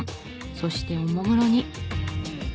そしておもむろに。